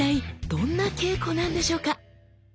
どんな稽古なんでしょうか。